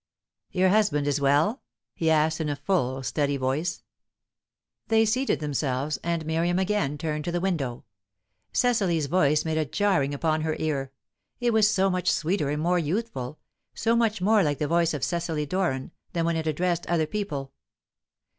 "Your husband is well?" he asked in a full, steady voice. They seated themselves, and Miriam again turned to the window. Cecily's voice made a jarring upon her ear; it was so much sweeter and more youthful, so much more like the voice of Cecily Doran, than when it addressed other people.